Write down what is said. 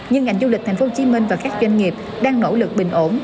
nhưng ngành du lịch tp hcm và các doanh nghiệp đang nỗ lực bình ổn